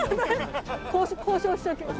交渉交渉しておきます。